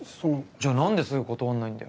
じゃあなんですぐ断んないんだよ。